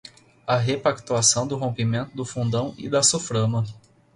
A repactuação do rompimento do Fundão e da Suframa